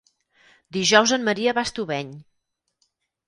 Dijous en Maria va a Estubeny.